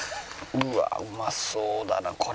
うわあうまそうだなこれ。